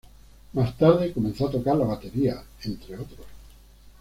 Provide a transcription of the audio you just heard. Más tarde comenzó a tocar la batería, entre otros.